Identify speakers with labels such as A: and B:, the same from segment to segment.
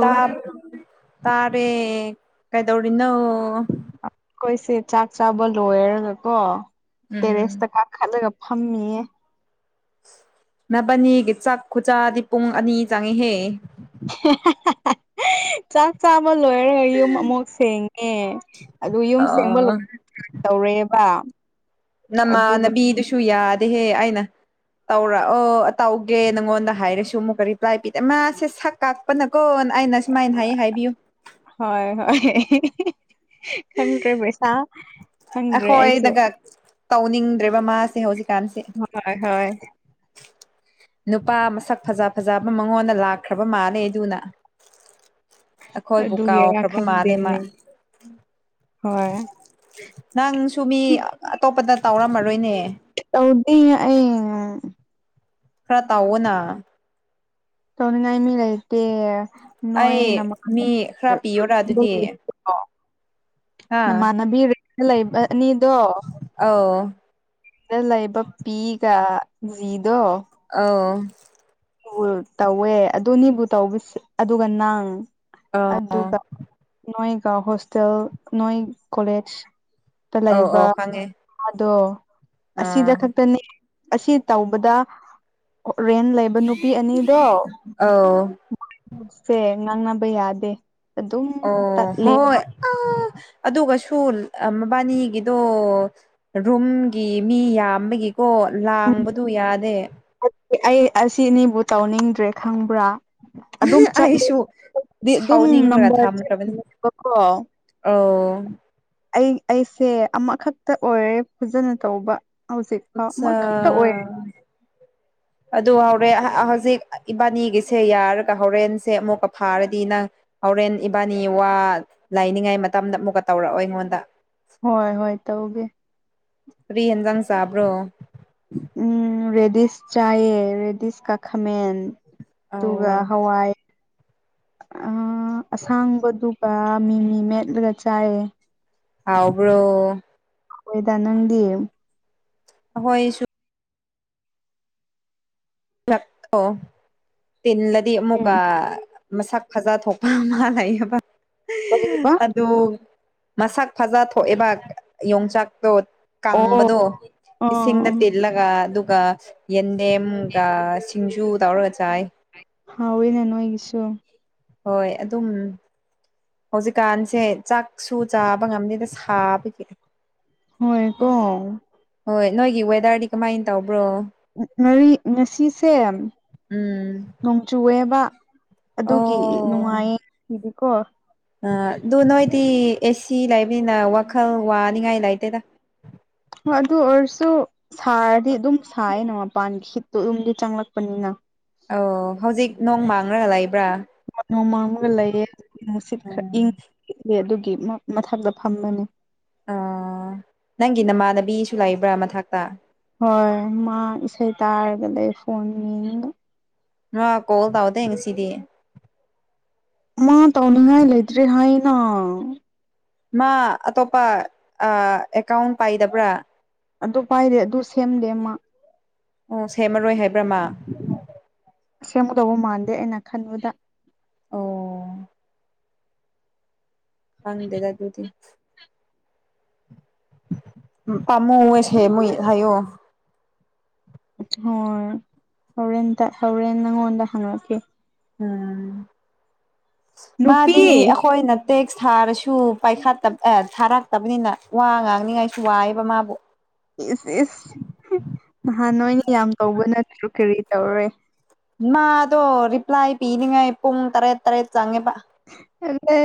A: ꯇ ꯇꯥꯔꯦ ꯀꯩꯗꯧꯔꯤꯔꯤꯅꯣ
B: ꯑꯩꯈꯣꯏꯁꯦ ꯆꯥꯛ ꯆꯥꯕ ꯂꯣꯏꯔꯒꯀꯣ
A: ꯎꯝ
B: ꯇꯦꯔꯦꯁꯇ ꯀꯥ ꯈꯠꯂꯒ ꯐꯝꯃꯤꯌꯦ
A: ꯅꯕꯅꯤꯒꯤ ꯆꯥꯛ ꯈꯨꯆꯥꯥꯗꯤ ꯄꯨꯡ ꯑꯅꯤ ꯆꯪꯏꯍꯦ
B: ꯆ ꯆ ꯑꯃ ꯂꯣꯏꯔꯒ ꯌꯨꯝ ꯑꯃꯨꯛ ꯁꯦꯡꯉꯦ ꯑꯗꯨ ꯌꯨꯝ
A: ꯑ
B: ꯁꯦꯡꯕ ꯂꯣꯏꯔ ꯇꯧꯔꯦꯕ ꯑꯗꯨꯒ
A: ꯅꯃꯥꯟꯅꯕꯤꯗꯨꯁꯨ ꯌꯥꯗꯍꯦ ꯑꯩꯅ ꯇꯧꯔꯛꯑꯣ ꯇꯧꯒꯦ ꯅꯪꯉꯣꯟꯗ ꯍꯥꯏꯔꯁꯨ ꯑꯃꯨꯛꯀ ꯔꯤꯄ꯭ꯂꯥꯏ ꯄꯤꯗꯦ ꯃꯥꯁꯦ ꯁꯛ ꯀꯥꯛꯄ ꯅ ꯀꯣ ꯑꯩꯅ ꯁꯨꯃꯥꯏꯅ ꯍꯥꯏꯌꯦ ꯍꯥꯏꯕꯤꯌꯨ
B: ꯍꯣꯏ ꯍꯣꯏ ꯈꯪꯗ꯭ꯔꯦ ꯄꯩꯁꯥ ꯈꯪꯗ꯭ꯔꯦ ꯑꯩꯁꯨ
A: ꯑꯩꯈꯣꯏꯗꯒ ꯇꯧꯅꯤꯡꯗ꯭ꯔꯦꯕ ꯃꯥꯁꯦ ꯍꯧꯖꯤꯛ
B: ꯍꯣꯏ ꯍꯣꯏ
A: ꯅꯨꯄꯥ ꯃꯁꯛ ꯐꯖ ꯐꯖꯕ ꯃꯉꯣꯟꯗ ꯂꯥꯛꯈ꯭ꯔꯕ ꯃꯥꯜꯂꯦ ꯑꯗꯨꯅ ꯑꯩꯈꯣꯏꯕꯨ
B: ꯑꯗꯨꯒꯤꯔꯥ
A: ꯀꯥꯎꯈ꯭ꯔꯕ ꯃꯥꯜꯂꯦ ꯃꯥ
B: ꯈꯪꯗꯦꯅꯦ ꯍꯣꯏ
A: ꯅꯪꯁꯨ ꯃꯤ ꯑꯇꯣꯞꯄꯗ ꯇꯥꯎꯔꯝꯃꯔꯣꯏꯅꯦ
B: ꯇꯧꯗꯤ ꯑꯦ
A: ꯈꯔ ꯇꯎꯅ
B: ꯀꯧ ꯉ ꯃꯤ ꯂꯩꯦꯇ ꯅꯣꯏ
A: ꯑꯩ
B: ꯅꯃ
A: ꯃꯤ ꯈꯔ ꯄꯤꯌꯣꯔꯥ ꯑꯗꯨꯗꯤ ꯍꯥ
B: ꯅꯃꯥꯟꯅꯕꯤ ꯂꯩꯕ ꯑꯅꯤꯗꯣ
A: ꯑꯧ
B: ꯂꯩꯕ ꯄꯤꯒ ꯖꯤꯗꯣ
A: ꯑ
B: ꯑꯣ ꯇꯧꯋꯦ ꯑꯗꯨꯅꯤꯕꯨ ꯇꯧꯕꯁ ꯑꯗꯨꯒ ꯅꯪ
A: ꯑꯧ
B: ꯑꯗꯨꯒ ꯅꯣꯏꯒ ꯍꯣꯁꯇꯦꯜ ꯅꯣꯏ ꯀꯣꯂꯦꯖ
A: ꯑꯧ ꯑꯧ ꯈꯪꯉꯦ
B: ꯂꯩꯕꯗꯣ ꯑꯁꯤꯗ
A: ꯑꯥ
B: ꯈꯛꯇꯅꯤ ꯑꯁꯤ ꯇꯧꯕꯗ ꯔꯦꯟ ꯂꯩ
A: ꯑꯥꯎ
B: ꯁꯦ ꯉꯥꯡꯅꯕ ꯌꯥꯗꯦ ꯑꯗꯨꯝ
A: ꯑꯣ
B: ꯇꯠꯂꯦ
A: ꯍꯣꯏ ꯑ ꯑꯗꯨꯒꯁꯨ ꯃꯕꯥꯅꯤꯒꯤꯗꯣ ꯔꯨꯝꯒꯤ ꯃꯤ ꯌꯥꯝꯕꯒꯤ ꯀꯣ ꯂꯥꯡꯕꯗꯨ ꯌꯥꯗꯦ
B: ꯑꯩ ꯑꯁꯤꯅꯤꯕꯨ ꯇꯧꯅꯤꯡꯗ꯭ꯔꯦ ꯈꯪꯕ꯭ꯔꯥ ꯑꯗꯨꯝ ꯆꯠꯂꯦ
A: ꯑꯩꯁꯨ
B: ꯗꯤ ꯑꯗꯨꯝ
A: ꯁꯥꯎꯅꯤꯡ
B: ꯅꯝꯕꯔ
A: ꯔꯙ꯭ꯔ
B: ꯆꯠꯂꯦꯕꯀꯣ
A: ꯑꯣ
B: ꯑꯩ ꯑꯩꯁꯦ ꯑꯃꯈꯛꯇ ꯑꯣꯏꯔꯦ ꯐꯖꯅ ꯇꯧꯕ ꯍꯧꯖꯤꯛ ꯐꯥꯎ
A: ꯑꯆꯥ
B: ꯑꯃꯈꯛꯇ ꯑꯣꯏꯔꯦ
A: ꯑꯗꯨ ꯍꯧꯥꯎꯔꯦ ꯍꯧꯖꯤꯛ ꯏꯕꯥꯅꯤꯒꯤꯁꯦ ꯌꯥꯔꯒ ꯍꯣꯔꯦꯟꯁꯦ ꯑꯃꯨꯛꯀ ꯐꯥꯔꯗꯤ ꯅꯪ ꯍꯣꯔꯦꯟ ꯏꯕꯥꯅꯤ ꯋꯥ ꯂꯥꯏꯅꯤꯡꯉꯥꯏ ꯃꯇꯝꯗ ꯑꯃꯨꯛꯀ ꯇꯧꯔꯛꯑꯣ ꯑꯩꯉꯣꯟꯗ
B: ꯍꯣꯏ ꯍꯣꯏ ꯇꯧꯒꯦ
A: ꯐꯔꯤ ꯌꯦꯟꯖꯥꯡ ꯆꯥꯕ꯭ꯔꯣ
B: ꯎꯝ ꯔꯦꯗꯤꯤꯁ ꯆꯌꯦ ꯔꯦꯗꯤꯤꯁ ꯀꯥꯈꯥ ꯃꯦꯟ ꯑꯗꯨꯒ
A: ꯑꯣ
B: ꯍꯋꯥꯏ ꯑꯁꯥꯡꯕꯗꯨ ꯃꯤꯃꯤ ꯃꯦꯠꯂꯗ ꯆꯥꯌꯦ
A: ꯑꯥꯎꯕ꯭ꯔꯣ
B: ꯍꯣꯏꯗ ꯅꯪꯗꯤꯌꯦ
A: ꯑꯈꯣꯏꯁꯨ ꯔꯣ ꯇꯂꯗꯤ
B: ꯎꯝ
A: ꯃꯨꯒꯥꯥ ꯃꯁꯛ ꯈꯖ ꯊꯣꯛꯄ ꯑꯃ ꯂꯩꯌꯦꯕ
B: ꯀꯔꯤꯕ
A: ꯑꯗꯨ ꯃꯁꯛ ꯐꯖ ꯊꯣꯛꯑꯦꯕ ꯌꯣꯡꯆꯥꯛꯇꯣ
B: ꯑꯣ
A: ꯀꯪꯕꯗꯣ ꯏꯁꯤꯡꯗ
B: ꯑꯣ
A: ꯇꯤꯜꯂꯒ ꯑꯗꯨꯒ ꯌꯦꯟꯗꯦꯝꯒ ꯁꯤꯡꯖꯨ ꯇꯧꯔꯒ ꯆꯥꯏ
B: ꯍꯥꯎ ꯑꯣꯏꯣꯏ ꯅ ꯅ ꯑꯣꯏꯒꯤꯁꯨꯣ
A: ꯍꯣꯏ ꯑꯗꯨꯝ ꯍꯧꯖꯤꯛꯀꯥꯟꯁꯦ ꯆꯥꯛꯁꯨ ꯆꯥꯕ ꯉꯝꯗꯗ ꯊꯥꯕꯒꯤ
B: ꯍꯣꯏꯀꯣ
A: ꯍꯣꯏ ꯅꯣꯏꯒꯤ ꯋꯦꯗꯔꯗꯤ ꯀꯃꯥꯏꯅ ꯇꯧꯕ
B: ꯉꯔꯤ ꯉꯁꯤꯁ
A: ꯎꯝ
B: ꯅꯣꯡꯆꯨꯑꯦꯕ ꯑꯗꯨꯒꯤ
A: ꯑꯣ
B: ꯅꯨꯡꯉꯥꯏꯌꯦ ꯁꯤꯗꯤꯀꯣ
A: ꯑ ꯑꯗꯨ ꯅꯣꯏꯗꯤ ꯑꯦꯁꯤ ꯂꯩꯕꯅꯤꯅ ꯋꯥꯈꯜ ꯋꯥꯅꯤꯡꯉꯥꯏ ꯂꯩꯇꯦꯗ
B: ꯍꯣꯏ ꯑꯗꯨ ꯑꯣꯏꯔꯁꯨ ꯁꯥꯔꯗꯤ ꯑꯗꯨꯝ ꯁꯥꯏꯌꯦꯅ ꯃꯄꯥꯟꯒꯤ ꯍꯤꯠꯇꯣ ꯑꯗꯨꯝꯒꯤ ꯆꯪꯂꯛꯄꯅꯤꯅ
A: ꯑꯣ ꯍꯧꯖꯤꯛ ꯅꯣꯡ ꯃꯥꯡ꯭ꯔꯂ ꯂꯩ
B: ꯃꯃꯥꯡꯃꯒ ꯂꯩꯑꯦ ꯅꯨꯡꯁꯤꯠ ꯈꯔ ꯏꯪ
A: ꯎꯝ
B: ꯑꯗꯨꯒꯤ ꯃꯊꯛꯇ ꯐꯝꯕꯅꯤ
A: ꯑꯣ ꯅꯪꯒꯤ ꯅꯃꯥꯟꯅꯕꯤꯁꯨ ꯂꯩꯕ꯭ꯔꯥ ꯃꯊꯛꯇ
B: ꯍꯣꯏ ꯃꯥ ꯏꯁꯩ ꯇꯥꯔꯒꯗꯤ ꯐꯣꯟ ꯃꯤꯡꯗ
A: ꯅ ꯀꯣꯜ ꯇꯥꯎꯗꯡ ꯉꯁꯤꯗꯤ
B: ꯃꯥ ꯇꯧꯅꯤꯡꯉꯥꯏ ꯂꯩꯇ꯭ꯔꯦ ꯍꯥꯏꯅ
A: ꯃꯥ ꯑꯇꯣꯞꯄ ꯑꯦꯀꯥꯎꯟ ꯄꯥꯏꯗꯕ꯭ꯔꯥ
B: ꯑꯗꯨ ꯄꯥꯏꯔꯦ ꯑꯗꯨ ꯁꯦꯝꯗꯦ ꯑꯃ
A: ꯑꯣ ꯁꯦꯝꯃꯔꯣꯏ ꯍꯥꯏꯕ꯭ꯔꯃ
B: ꯁꯦꯝꯒꯗꯧꯕ ꯃꯥꯟꯗꯦ ꯑꯩꯅ ꯈꯟꯕꯗ
A: ꯑꯣ ꯍꯪꯗꯗ ꯑꯗꯨꯗꯤ ꯄꯝꯨꯁꯦ ꯃꯣꯏ ꯍꯥꯏꯥꯏꯌꯨ
B: ꯍꯣꯏ ꯍꯣꯔꯦꯟꯇ ꯍꯣꯔꯦꯟ ꯅꯪꯉꯣꯟꯗ ꯍꯪꯉꯛꯀꯦ
A: ꯎꯝ
B: ꯅꯨꯄꯤ
A: ꯃꯥꯗꯤ ꯑꯩꯈꯣꯏꯅ ꯇꯦꯛꯁ ꯊꯥꯔꯁꯨ ꯄꯥꯏꯈꯠꯇꯕ ꯑꯦ ꯊꯥꯔꯛꯇꯕꯅꯤꯅ ꯋꯥ ꯉꯥꯡꯅꯤꯉꯥꯏꯁꯨ ꯋꯥꯏꯑꯦꯕ ꯃꯥꯕꯨ
B: ꯏꯁ ꯏꯁ ꯅꯍꯥꯟ ꯅꯣꯏꯅ ꯌꯥꯝ ꯇꯧꯕ ꯅꯠꯇ꯭ꯔꯁꯨ ꯀꯔꯤ ꯇꯧꯔꯦ
A: ꯏ ꯑꯗꯣ ꯔꯤꯞ꯭ꯂꯥꯏ ꯄꯤꯅꯤꯡꯉ ꯏꯣ ꯇꯔꯦꯠ ꯇꯔꯦꯠ ꯆꯉꯦ
B: ꯑ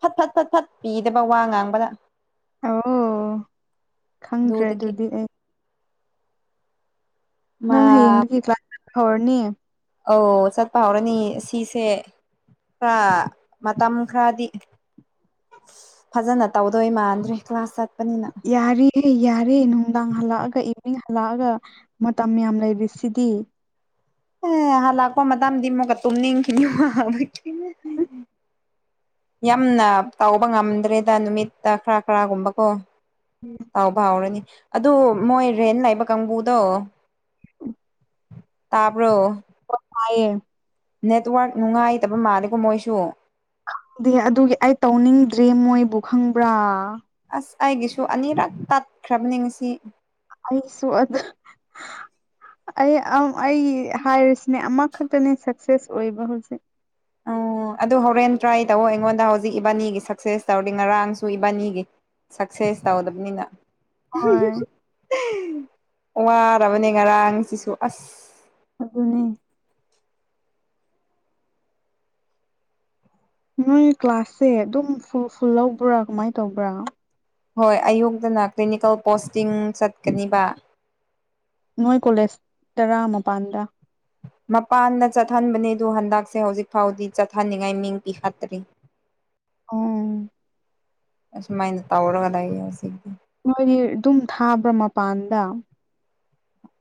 A: ꯐꯠ ꯊꯠ ꯐꯠ ꯊꯠ ꯄꯤꯗꯕ ꯋꯥ ꯉꯥꯡꯕꯗ
B: ꯑꯣ ꯈꯪꯗ꯭ꯔꯦ
A: ꯑꯗꯨꯗꯒꯤ
B: ꯑꯗꯨꯗꯤ ꯑꯩ
A: ꯃꯥ
B: ꯅꯪ ꯍꯡ ꯀ꯭ꯂꯥꯁ ꯍꯣꯅꯤ
A: ꯑꯧ ꯆꯠꯄ ꯍꯧꯥꯎꯔꯅꯤ ꯁꯤꯁꯦ ꯀ ꯃ ꯃꯇꯝ ꯈꯥꯗꯤ ꯐꯖꯅ ꯇꯧꯗꯣꯏ ꯃꯥꯟꯗ꯭ꯔꯦ ꯀ꯭ꯂꯥꯁ ꯆꯠꯄꯅꯤꯅ
B: ꯑꯦ ꯌꯥꯔꯦ ꯅꯨꯡꯗꯥꯡ ꯍꯜꯂꯛꯑꯒ ꯏꯚꯅꯤꯡ ꯍꯜꯂꯛꯑꯒ ꯃꯇꯝ ꯌꯥꯝ ꯂꯩꯔꯤꯁꯤꯗꯤ
A: ꯑꯦ ꯂꯥꯛꯄ ꯃꯇꯝꯗꯤ ꯑꯃꯨꯛꯀ ꯇꯨꯝꯅꯤꯡꯈꯤꯅꯤ ꯌꯥꯝꯅ ꯇꯧꯕ ꯉꯝꯗ꯭ꯔꯦꯗ ꯅꯨꯃꯤꯠꯇ ꯈꯔ ꯈꯔꯒꯨꯝꯕꯀꯣ ꯄꯥꯎ ꯐꯥꯎꯔꯅꯤ ꯑꯗꯨ ꯃꯣꯏ ꯔꯦꯟ ꯂꯥꯛꯏꯕ ꯀꯥꯡꯕꯨꯗꯣ
B: ꯑꯣ
A: ꯇꯄꯔꯣ
B: ꯍ ꯊꯑ
A: ꯅꯦꯠꯋꯔꯛ ꯅꯨꯡꯉꯥꯏꯇꯕ ꯃꯥꯜꯂꯦꯀꯣ ꯃꯣꯏꯁꯨ
B: ꯈꯪꯗꯦ ꯑꯗꯨꯒꯤ ꯑꯩ ꯇꯧꯅꯤꯡꯗ꯭ꯔꯦ ꯃꯣꯏꯕꯨ ꯈꯪꯕ꯭ꯔꯥ
A: ꯑꯁ ꯑꯩꯒꯤꯁꯨ ꯑꯅꯤꯔꯥ ꯇꯥꯠꯈ꯭ꯔꯕ ꯅꯤꯡꯁꯤ
B: ꯑꯩꯁꯨ ꯑꯗ ꯑꯩ ꯑꯩ ꯍꯥꯏꯔꯤꯁꯤꯅꯦ ꯑꯃꯈꯛꯇꯅꯦ ꯁꯛꯁꯦꯁ ꯑꯣꯏꯕ ꯍꯧꯖꯤꯛ
A: ꯑ ꯑꯗꯨ ꯍꯣꯔꯦꯟ ꯇ꯭ꯔꯥꯏ ꯇꯧꯋ ꯑꯩꯉꯣꯟꯗ ꯍꯧꯖꯤꯛ ꯏꯕꯥꯅꯤꯒꯤ ꯁꯛꯁꯦꯁ ꯇꯧꯔꯤ ꯉꯔꯥꯡꯁꯨ ꯏꯕꯥꯅꯤꯒꯤ ꯁꯛꯁꯦꯁ ꯇꯥꯎꯎꯗꯕꯅꯤꯅ
B: ꯍꯣꯏ
A: ꯋꯥꯔꯕꯅꯦ ꯉꯔꯥꯡ ꯁꯤꯁꯨ ꯑꯁ
B: ꯑꯅꯦ ꯅꯣꯏ ꯀ꯭ꯂꯥꯁꯁꯦ ꯑꯗꯨꯝ ꯐꯨꯜ ꯐꯨꯜ ꯂꯧꯕ꯭ꯔꯥ ꯀꯃꯥꯏꯅ ꯇꯧꯕ꯭ꯔꯥ
A: ꯍꯣꯏ ꯑꯌꯨꯛꯇꯅ ꯀ꯭ꯂꯤꯅꯤꯀꯦꯜ ꯄꯣꯁꯇꯤꯡ ꯆꯠꯀꯅꯤꯕ
B: ꯅꯣꯏ ꯀꯣꯂꯦꯖ ꯇꯔꯥ ꯃꯄꯥꯟꯗ
A: ꯃꯄꯥꯟꯗ ꯆꯠꯍꯟꯕꯅꯦ ꯑꯗꯨ ꯍꯟꯗꯛꯁꯦ ꯍꯧꯖꯤꯛ ꯐꯥꯎꯗꯤ ꯆꯠꯍꯟꯅꯤꯡꯉꯥꯏ ꯃꯤꯡ ꯄꯤꯈꯠꯇ꯭ꯔꯤ [unintelligible]
B: ꯎꯝ
A: ꯑꯁꯃꯥꯏꯟꯗ ꯇꯧꯔꯒ ꯂ ꯁꯤꯗꯤ
B: ꯃꯅꯤ ꯑꯗꯨꯝ ꯊꯥꯕ꯭ꯔꯥ ꯃꯄꯥꯟꯗ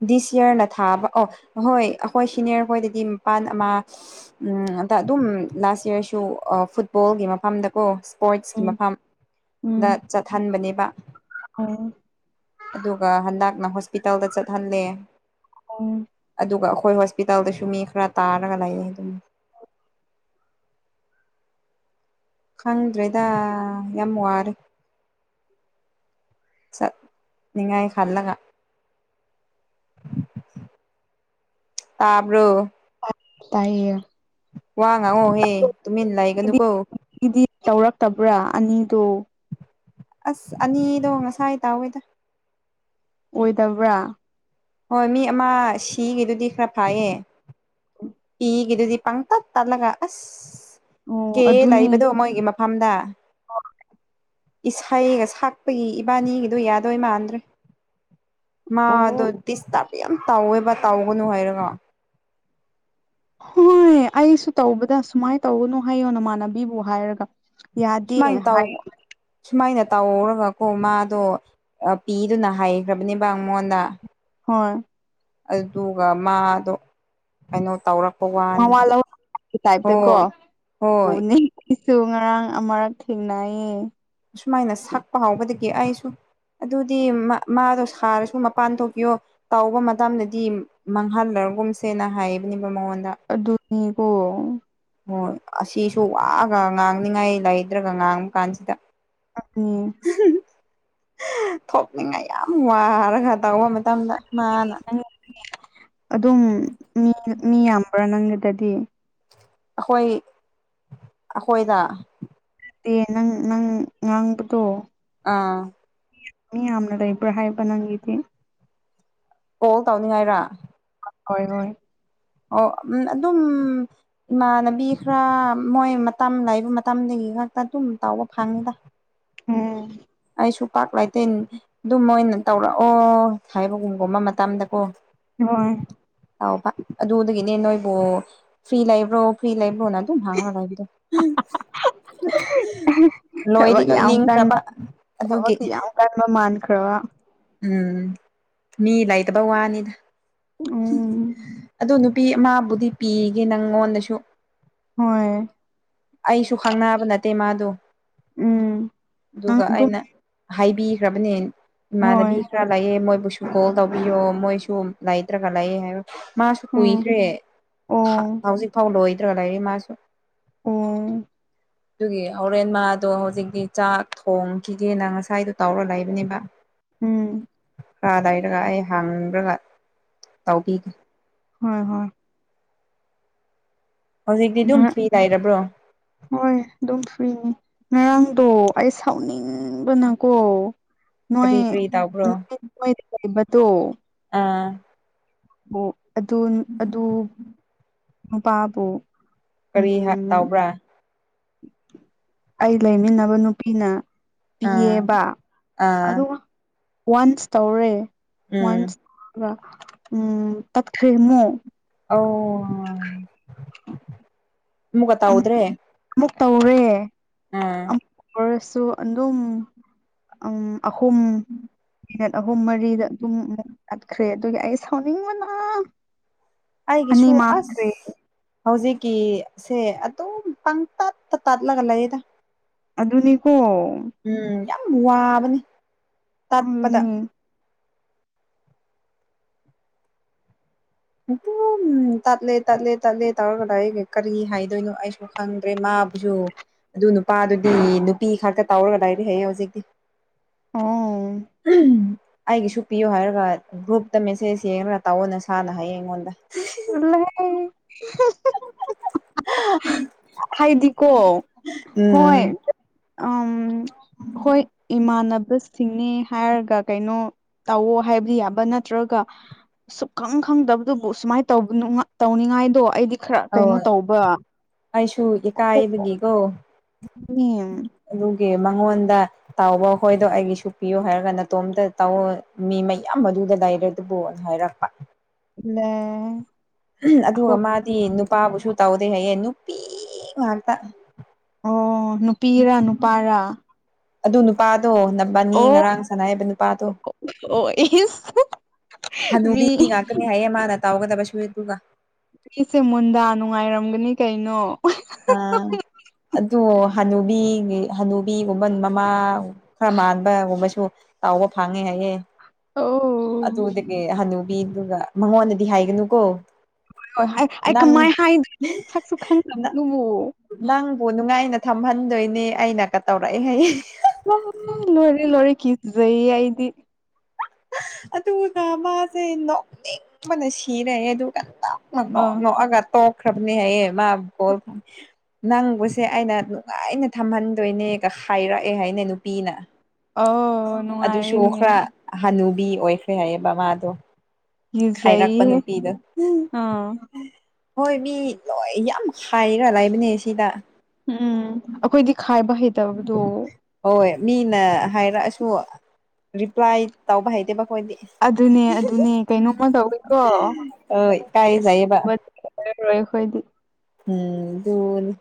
A: ꯗꯤꯁ ꯌꯔꯅ ꯊꯥꯕ ꯑꯣ ꯍꯣꯏ ꯑꯩꯈꯣꯏ ꯁꯤꯅꯤꯌꯔ ꯍꯣꯏꯗꯗꯤ ꯃꯄꯥꯟ ꯑꯃ ꯑꯗ ꯑꯗꯨꯝ ꯂꯥꯁ ꯌꯔꯁꯨ ꯐꯨꯠꯕꯣꯜꯒꯤ ꯃꯐꯝꯗꯀꯣ ꯏꯁꯄꯣꯏꯠꯁꯀꯤ
B: ꯎꯝ ꯎꯝ
A: ꯃꯐꯝꯗ ꯆꯠꯍꯟꯕꯅꯦꯕ
B: ꯑꯣ
A: ꯑꯗꯨꯒ ꯍꯟꯗꯛꯅ ꯍꯣꯁꯄꯤꯇꯥꯜꯗ ꯆꯠꯍꯜꯂꯦ
B: ꯑꯣ
A: ꯑꯗꯨꯒ ꯑꯩꯈꯣꯏ ꯍꯣꯁꯄꯤꯇꯥꯜꯗꯁꯨ ꯃꯤ ꯈꯔ ꯇꯥꯔꯒ ꯂꯩꯌꯦꯦ ꯑꯗꯨꯝ ꯈꯪꯗ꯭ꯔꯦꯗ ꯌꯥꯝ ꯋꯥꯔꯦ ꯆ ꯅꯤꯡꯉꯥꯏ ꯈꯂꯒ ꯇꯕ꯭ꯔꯣ
B: ꯇꯥꯏꯌꯦ
A: ꯋꯥ ꯉꯑꯣꯍꯦ ꯇꯨꯃꯤ ꯏ ꯂꯥꯛꯒꯅꯨ
B: ꯒꯤꯗꯤ
A: ꯀꯣ
B: ꯑꯅꯤꯗ
A: ꯑꯁ ꯑꯅꯤꯗꯣ ꯉꯁꯥꯏ ꯇꯥꯎꯋꯦꯗ
B: ꯑꯣꯏꯗꯕ꯭ꯔꯥ
A: ꯍꯣꯏ ꯃꯤ ꯑꯃ ꯁꯤꯒꯗꯨꯗꯤ ꯈꯔ ꯐꯥꯏꯌꯦ ꯄꯤꯒꯗꯨꯗꯤ ꯄꯪ ꯇꯠ ꯇꯥꯠꯂꯒ ꯑꯁ ꯀꯦ
B: ꯑꯗꯨꯅꯦ
A: ꯂꯩꯏꯕꯗꯣ ꯃꯣꯏꯒꯤ ꯐꯝꯗꯥ
B: ꯑꯣ
A: ꯏꯁꯩꯒ ꯁꯛꯄꯒꯤ ꯏꯕꯥꯅꯤꯒꯗꯨ ꯌꯥꯗꯣꯏ ꯃꯥꯟꯗ꯭ꯔꯦ ꯃꯥꯗꯣ
B: ꯑꯣ
A: ꯗꯤꯁꯇꯥꯔꯕ ꯌꯥꯝ ꯇꯥꯎꯋꯦꯕ ꯇꯥꯎꯒꯅꯨ ꯍꯥꯏꯔꯒ
B: ꯍꯣꯏ ꯑꯩꯁꯨ ꯇꯧꯕꯗ ꯁꯨꯃꯥꯏꯅ ꯇꯧꯒꯅꯨ ꯍꯥꯏꯌꯣ ꯅꯃꯥꯟꯅꯕꯤꯕꯨ ꯍꯥꯏꯔꯒ ꯌꯥꯗꯦ
A: ꯁꯨꯃꯥꯏꯅ ꯇꯎ
B: ꯍꯥꯏ
A: ꯁꯨꯃꯥꯏꯅ ꯇꯧꯔꯒꯀꯣ ꯃꯥꯗꯣ ꯄꯤꯗꯨꯅ ꯍꯥꯏꯈ꯭ꯔꯕꯅꯦꯕꯉꯣꯟꯗ
B: ꯍꯣꯏ
A: ꯑꯗꯨꯒ ꯃꯥꯗꯣ ꯀꯩꯅꯣ ꯇꯧꯔꯛ
B: ꯃꯃ ꯇꯥꯏꯞꯇ ꯀꯣ
A: ꯍꯣꯏ
B: ꯎꯅꯤ ꯏꯁꯨ ꯉꯔꯥꯡ ꯑꯃꯔꯛ ꯊꯦꯡꯅꯌꯦ
A: ꯑꯁꯨꯃꯥꯏꯅ ꯁꯛꯄ ꯍꯥꯎꯕꯗꯒꯤ ꯑꯩꯁꯨ ꯑꯗꯨꯗꯤ ꯃꯥꯗꯣ ꯁꯥꯔꯁꯨ ꯃꯄꯥꯟ ꯊꯣꯛꯄꯤꯌꯣ ꯇꯥꯎꯕ ꯃꯇꯝꯗꯗꯤ ꯃꯥꯡꯍꯜꯂ ꯒꯨꯝꯁꯦꯅ ꯍꯥꯏꯕꯅꯦꯕ ꯃꯉꯣꯟꯗ
B: ꯃꯤꯕꯨ
A: ꯍꯣꯏ ꯑꯁꯤꯁꯨ ꯋꯥꯑꯒ ꯉꯥꯡꯅꯤꯡꯉꯥꯏ ꯂꯩꯗ꯭ꯔꯒ ꯉꯥꯡꯕ ꯀꯥꯟꯁꯤꯗ
B: ꯆꯅꯤ
A: ꯊꯣꯛꯅꯤꯡꯉꯥꯏ ꯌꯥꯝ ꯋꯥꯔ ꯈ ꯇꯧꯕ ꯃꯇꯝꯗ ꯃꯥꯅ
B: ꯅꯪ ꯑꯗꯨꯝ ꯃꯤ ꯃꯤ ꯌꯥꯝꯕ꯭ꯔꯥ ꯅꯪꯒꯤꯗꯗꯤ
A: ꯑꯩꯈꯣꯏ ꯑꯩꯈꯣꯏꯗ
B: ꯗꯦ ꯅꯪ ꯅꯪ ꯉꯥꯡꯕꯗꯣ
A: ꯑꯥ
B: ꯌꯥꯝꯅꯗ ꯏꯕ꯭ꯔ ꯍꯥꯏꯥꯏꯕ ꯅꯒꯤꯗꯤ
A: ꯀꯣꯜ ꯇꯧꯅꯤꯡꯉꯥꯏꯔ
B: ꯍꯣꯏ ꯍꯣꯏ
A: ꯑꯣ ꯑꯗꯨꯝ ꯏꯃꯥꯟꯅꯕꯤ ꯈꯔ ꯃꯣꯏ ꯃꯇꯝ ꯂꯥꯛꯏꯕ ꯃꯇꯝꯗꯒꯤ ꯉꯥꯛꯇ ꯑꯗꯨꯝ ꯇꯥꯎꯕ ꯐꯪꯉꯤꯗ
B: ꯎꯝ
A: ꯀꯩꯁꯨ ꯄꯥꯛ ꯂꯩꯇ ꯑꯗꯨꯝ ꯑꯣꯏꯅ ꯇꯧꯔꯛꯑꯣ ꯍꯥꯏꯕꯒꯨꯝꯒꯨꯝꯕ ꯃꯇꯝꯗꯀꯣ
B: ꯍꯣꯏ
A: ꯑ ꯑꯗꯨꯗꯒꯤꯅꯦ ꯅꯣꯏꯕꯨ ꯐ꯭ꯔꯤ ꯂꯩꯕ꯭ꯔꯣ ꯐ꯭ꯔꯤ ꯂꯩ ꯅ ꯑꯗꯨꯣ ꯉꯅꯔꯥꯏꯗ ꯅꯣꯏꯗꯤ ꯂꯣꯏ ꯅꯤꯡꯈ꯭ꯔꯕ
B: ꯊꯕꯛꯗꯤꯤ ꯌꯥꯝ ꯀꯟꯕ ꯃꯥꯟꯈ꯭ꯔꯣ
A: ꯎꯝ ꯃꯤ ꯂꯩꯇꯕ ꯋꯥꯅꯤꯗ
B: ꯎꯝ
A: ꯑꯗꯨ ꯅꯨ ꯅꯨꯄꯤ ꯑꯃꯕꯨꯗꯤ ꯄꯤꯒꯦ ꯅꯪꯉꯣꯟꯗꯁꯨ
B: ꯍꯣꯏ
A: ꯑꯩꯁꯨ ꯈꯪꯅꯕ ꯅꯠꯇꯦ ꯃꯥꯗꯣ
B: ꯎꯝ ꯅꯪ
A: ꯑꯗꯨꯒ
B: ꯑꯗꯨꯝ
A: ꯑꯩꯅ ꯍꯥꯏꯕꯤꯈ꯭ꯔꯕꯅꯦ
B: ꯍꯣꯏ
A: ꯏꯃꯥꯟꯅꯕꯤ ꯈꯔ ꯂꯩꯑꯦ ꯃꯣꯏꯕꯨ ꯀꯣꯜ ꯇꯧꯕꯤꯌꯣ ꯃꯣꯏꯁꯨ ꯂꯩꯇ꯭ꯔꯒ ꯂꯩꯌꯦ ꯍꯥꯏꯕ ꯃꯥꯁꯨ
B: ꯎꯝ
A: ꯀꯨꯏꯈ꯭ꯔꯦ
B: ꯑꯣ
A: ꯍꯧꯖꯤꯛ ꯐꯥꯎ ꯂꯣꯏꯗ꯭ꯔꯥ ꯂꯩꯔꯤ ꯃꯥꯁꯨ
B: ꯑꯣ
A: ꯑꯗꯨꯒꯤ ꯍꯣꯔꯦꯟ ꯃꯥꯗꯣ ꯍꯧꯖꯤꯛꯇꯤ ꯆꯥꯛ ꯊꯣꯡꯈꯤꯒꯦꯅ ꯉꯁꯥꯏꯗꯣ ꯇꯧꯔ ꯂꯩꯕꯅꯦꯕ
B: ꯎꯝ
A: ꯈꯔ ꯂꯩꯔꯒ ꯑꯩ ꯍꯡꯈ꯭ꯔꯒ ꯇꯧꯕꯤꯒꯦ
B: ꯍꯣꯏ ꯍꯣꯏ
A: ꯍꯧꯖꯤꯛꯇꯤ ꯑꯗꯨꯝ ꯐ꯭ꯔꯤ ꯂꯩꯔꯕ꯭ꯔꯣ
B: ꯍꯣꯏ ꯑꯗꯨꯝ ꯐ꯭ꯔꯤꯅꯤ ꯉꯔꯥꯡꯗꯣ ꯑꯩ ꯁꯥꯎꯅꯤꯡꯕꯅꯀꯣ
A: ꯀꯔꯤ
B: ꯃꯣꯏꯣ
A: ꯀꯔꯤ ꯇꯧꯕ꯭ꯔꯣ
B: ꯃꯣꯏ [inaudible]
A: ꯑꯥ
B: ꯑꯣ ꯑꯗꯨ ꯑꯗꯨ ꯅꯨꯄꯥꯕꯨ
A: ꯀꯔꯤ
B: ꯎꯝ
A: ꯇꯧꯕ꯭ꯔꯥ
B: ꯑꯩ ꯂꯩꯃꯤꯟꯅꯕ ꯅꯨꯄꯤꯅ
A: ꯑꯥ
B: ꯄꯤꯌꯦꯕ
A: ꯑꯥ
B: ꯑꯗꯨꯒ ꯋꯥꯟꯁ ꯇꯧꯔꯦ
A: ꯎꯝ
B: ꯋꯥꯟꯁ ꯎꯝ ꯇꯞꯈ꯭ꯔꯦꯃꯨꯛ
A: ꯑꯧ ꯑꯃꯨꯒ ꯇꯧꯗ꯭ꯔꯦ
B: ꯑꯃꯨꯛ ꯇꯧꯔꯦ
A: ꯑꯥ
B: ꯁꯣ ꯑꯂꯨꯝ ꯑꯝ ꯑꯍꯨꯝ ꯃꯤꯅꯠ ꯑꯍꯨꯝ ꯃꯔꯤꯗ ꯑꯗꯨꯝ ꯆꯠꯈ꯭ꯔꯦ ꯑꯗꯨꯒꯤ ꯑꯩ ꯁꯥꯎꯅꯤꯡꯕꯅ ꯑꯅꯤ
A: ꯑꯩꯒꯤꯁꯨꯨ
B: ꯃꯥꯡꯈ꯭ꯔꯦ
A: ꯑꯁ ꯍꯧꯖꯤꯛꯀꯤꯁꯦ ꯑꯗꯨꯝ ꯄꯪ ꯇꯠꯇ ꯇꯥꯠꯂꯒ ꯂꯩꯌꯦꯗ
B: ꯑꯗꯨꯅꯤꯀꯣ
A: ꯎꯝ ꯌꯥꯝ ꯋꯥꯕꯅꯤ ꯇꯠꯄꯗ
B: ꯑꯗꯨꯅꯤ
A: ꯑꯗꯨꯝ ꯇꯠꯂꯦ ꯇꯠꯂꯦ ꯇꯠꯂꯦ ꯇꯧꯔꯒꯗ ꯑꯩꯒ ꯀꯔꯤ ꯍꯥꯏꯗꯣꯏꯅꯣ ꯑꯩꯁꯨ ꯈꯪꯗ꯭ꯔꯦ ꯃꯥ ꯑꯗꯨ ꯅꯨꯄꯥꯗꯨꯗꯤ ꯅꯨꯄꯤ ꯈꯛꯇ ꯇꯧꯔꯒ ꯂꯩꯔꯦ ꯍꯥꯏꯌꯦ ꯍꯧꯖꯤꯛꯇꯤ
B: ꯑꯣ
A: ꯎꯝ ꯑꯩꯒꯤꯁꯨ ꯄꯤꯌꯣ ꯍꯥꯏꯔꯒ ꯒ꯭ꯔꯨꯞꯇ ꯃꯦꯁꯦꯖ ꯌꯦꯡꯉꯒ ꯇꯧꯋꯣ ꯅꯁꯥꯅ ꯍꯥꯏꯌꯦ ꯑꯩꯉꯣꯟꯗ
B: ꯇꯜꯂꯦꯍꯦ
A: [inaudible]
B: ꯍꯥꯏꯗꯤꯀꯣ
A: ꯎꯝ
B: ꯍꯣꯏ ꯎꯝ ꯍꯣꯏ ꯏꯃꯥꯟꯅ ꯕꯤꯁꯤꯡꯅꯦ ꯍꯥꯏꯔꯒ ꯀꯩꯅꯣ ꯇꯧꯋꯣ ꯍꯥꯏꯕꯗꯤ ꯌꯥꯕ ꯅꯠꯇ꯭ꯔꯒ ꯁꯨꯛꯈꯪ ꯈꯪꯗꯕꯗꯨꯕꯨ ꯁꯨꯃꯥꯏꯅ ꯇꯧꯕ ꯇꯧꯅꯤꯡꯉꯥꯏꯗꯣ ꯑꯩꯗꯤ ꯈꯔ ꯀꯩꯅꯣ ꯇꯧꯕ
A: ꯏ ꯀꯥꯏꯕꯒꯤꯀꯣ
B: ꯎꯝ
A: ꯃꯉꯣꯟꯗ ꯇꯧꯕ ꯍꯣꯏꯗꯣ ꯑꯩꯒꯤꯁꯨ ꯄꯤꯌꯨ ꯍꯥꯏꯔꯒ ꯅꯇꯣꯝꯇ ꯇꯧ ꯃꯤ ꯃꯌꯥꯝ ꯑꯗꯨꯗ ꯂꯩꯏꯔꯗꯨꯕꯣꯅ ꯍꯥꯏꯔꯛꯄ
B: ꯂ
A: ꯑꯗꯨꯒ ꯃꯥꯗꯤ ꯅꯨꯄꯥꯕꯨꯁꯨ ꯇꯧꯗꯦ ꯍꯥꯏꯌꯦ ꯅꯨꯄꯤ ꯉꯥꯛꯇ
B: ꯅꯨꯄꯤꯔ ꯅꯨꯄꯥꯔꯥ
A: ꯑꯗꯨ ꯅꯨꯄꯥꯗꯣ ꯅꯕꯥꯅꯤ
B: ꯑꯣ
A: ꯉꯔꯥꯡ ꯁꯥꯟꯅꯩ ꯍꯥꯏꯕ ꯅꯨꯄꯥꯗꯣ
B: ꯑꯣ ꯏꯁ
A: ꯍꯅꯨꯕꯤ
B: ꯃꯤ
A: ꯉꯥꯛꯇꯅꯤ ꯍꯥꯏꯌꯦ ꯃꯥꯅ ꯇꯥꯎꯒꯗꯕ ꯁꯨꯔꯏ ꯑꯗꯨꯒ
B: ꯑꯩꯁꯦ ꯃꯨꯟꯗꯥ ꯅꯨꯡꯉꯥꯏꯔꯝꯒꯅꯤ ꯀꯩꯅꯣ
A: ꯍꯅꯨꯕꯤ ꯍꯅꯨꯕꯤꯒꯨꯝꯕꯟ ꯃꯃꯥ ꯈꯔ ꯃꯥꯟꯕꯒꯨꯝꯕꯁꯨ ꯇꯥꯎꯕ ꯐꯥꯡꯉꯦ ꯍꯥꯏꯌꯦ
B: ꯑꯣ
A: ꯑꯗꯨꯗꯒꯤ ꯍꯅꯨ ꯑꯗꯨꯒ ꯃꯉꯣꯟꯗꯗꯤ ꯍꯥꯏꯒꯅꯨꯀꯣ
B: ꯍꯣꯏ ꯑꯩ
A: ꯅꯪ
B: ꯀꯃꯥꯏꯅ ꯍꯥꯏꯗꯦ ꯁꯛꯁꯨ ꯈꯪꯗꯕ ꯑꯗꯨꯕꯨ
A: ꯅꯪꯕꯨ ꯅꯨꯡꯉꯥꯏꯅ ꯊꯝꯍꯟꯗꯣꯏꯅꯦ ꯑꯩꯅ ꯀ ꯇꯧꯔꯛꯑꯦ
B: ꯂꯣꯏꯔꯦ ꯂꯣꯏꯔꯦ ꯀꯤꯖꯩꯌꯦ ꯑꯩꯗꯤ
A: ꯑꯗꯨꯒ ꯃꯥꯁꯦ ꯅꯣꯛꯅꯤꯡꯄꯅ ꯁꯤꯔꯑꯦ ꯑꯗꯨꯒ ꯀ
B: ꯑꯥ
A: ꯑꯒ ꯇꯣ ꯈꯔꯅꯤ ꯍꯥꯏꯌꯦ ꯃꯥ ꯕꯥꯜ ꯅꯪꯕꯨꯁꯦ ꯑꯩꯅ ꯅꯨꯡꯉꯥꯏꯅ ꯊꯝꯍꯟꯗꯣꯏꯅꯦꯒ ꯍꯥꯏꯔꯛꯑꯦ ꯍꯥꯏꯅꯦ ꯅꯨꯄꯤꯅ
B: ꯑꯧ
A: ꯑꯗꯨꯁꯨ
B: ꯅꯨꯡꯉꯥꯏꯔꯦꯅꯦ
A: ꯈꯔ ꯍꯅꯨꯕꯤ ꯑꯣꯏꯈ꯭ꯔꯦ ꯍꯥꯏꯌꯦꯕ ꯕꯥꯥꯗꯣ ꯈꯥꯏꯔꯛꯄ
B: ꯀꯤꯖꯩꯍꯦ
A: ꯅꯨꯄꯤꯗ
B: ꯑꯥ
A: ꯍꯣꯏ ꯃꯤ ꯂꯣꯏ ꯌꯥꯝ ꯍꯥꯏꯔ ꯂꯩꯕꯅꯦ ꯁꯤꯗ
B: ꯎꯝ ꯑꯩꯈꯣꯏꯗꯤ ꯈꯥꯏꯕ ꯍꯩꯇꯕꯗꯣ
A: ꯍꯣꯏ ꯃꯤꯅ ꯍꯥꯏꯔꯛꯑꯁꯨ ꯔꯤꯄ꯭ꯂꯥꯏ ꯇꯧꯕ ꯍꯥꯏꯇꯦꯕ
B: ꯑꯗꯨꯅꯦ ꯑꯗꯨꯅꯦ ꯀꯩꯅꯣꯝꯃ ꯇꯧꯋꯤꯀꯣ
A: ꯍꯣꯏ ꯏꯀꯥꯏꯖꯩꯌꯦꯕ
B: ꯑꯣꯏꯗꯤ
A: ꯎꯝ ꯅꯤ